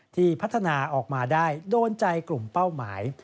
ที่พัฒนาออกมาได้โดนใจกลุ่มเป้าหมาย